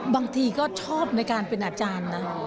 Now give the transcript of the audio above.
บางทีก็ชอบในการเป็นอาจารย์นะ